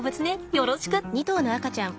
よろしく。